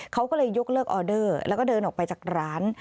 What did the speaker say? เขาก็เลยยกเลิกออเดอร์แล้วก็เดินออกไปจากร้าน